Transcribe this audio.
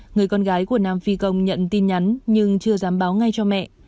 người con gái của nam phi công nhận tin nhắn nhưng chưa dám báo ngay cho mẹ